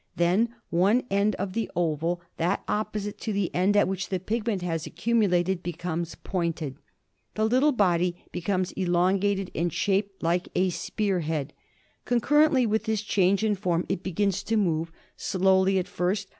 Then one end of the oval, that opposite to the end at which the pigment has accumu lated, becomes pointed. The little body becomes elon gated and shaped hke a spear head. Concurrently with this change in form it begins to move, ^owly at first.